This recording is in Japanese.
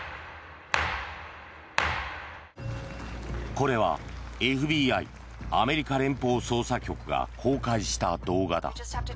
これはＦＢＩ・アメリカ連邦捜査局が公開した動画だ。